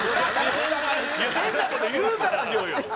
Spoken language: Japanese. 変な事言うからでしょうよ！